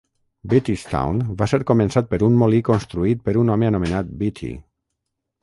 Beattystown va ser començat per un molí construït per un home anomenat Beatty.